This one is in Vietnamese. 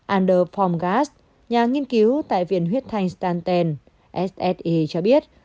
ander formgas nhà nghiên cứu tại viện huyết thành stanton sse cho biết